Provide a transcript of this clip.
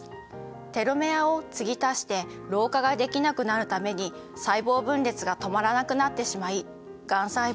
テロメアを継ぎ足して老化ができなくなるために細胞分裂が止まらなくなってしまいがん細胞になってしまうのです。